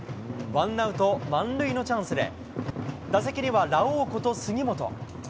ワンアウト満塁のチャンスで、打席にはラオウこと杉本。